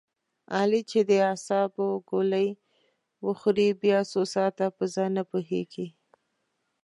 علي چې د اعصابو ګولۍ و خوري بیا څو ساعته په ځان نه پوهېږي.